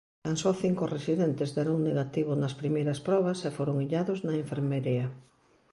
Tan só cinco residentes deron negativo nas primeiras probas e foron illados na enfermería.